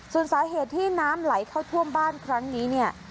ส่วนสาเหตุที่น้ำไหลเข้าท่วมบ้านครั้งนี้เนี่ย